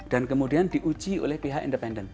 dan kemudian diuji oleh pihak independen